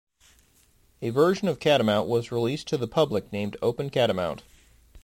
A version of Catamount was released to the public named OpenCatamount.